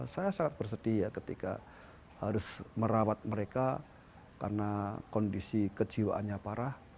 saya sangat bersedih ya ketika harus merawat mereka karena kondisi kejiwaannya parah